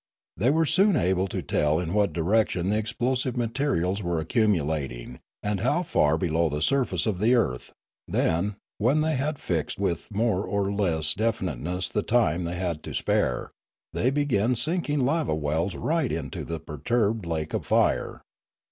They were soon able to tell in what direction the explosive materials were ac cumulating and how far below the surface of the earth ; then, when they had fixed with more or less definite ness the time they had to spare, they began sinking lava wells right into the perturbed lake of fire.